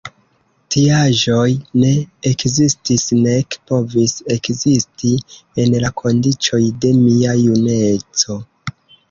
Tiaĵoj ne ekzistis, nek povis ekzisti en la kondiĉoj de mia juneco.